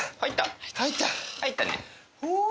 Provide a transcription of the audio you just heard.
入ったね。